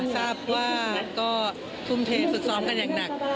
ทราบว่าก็ทุ่มเทฝึกซ้อมกันอย่างหนัก